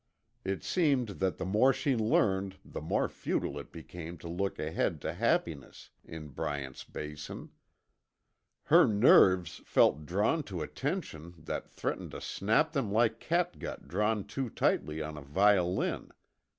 It seemed that the more she learned the more futile it became to look ahead to happiness in Bryant's Basin. Her nerves felt drawn to a tension that threatened to snap them like catgut drawn too tightly on a violin.